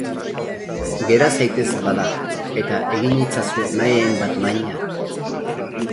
Gera zaitez, bada, eta egin itzazu nahi hainbat maina.